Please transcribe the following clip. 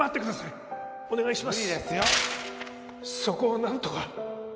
そこをなんとか。